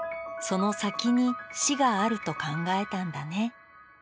その先に死があると考えたんだね